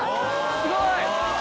すごい！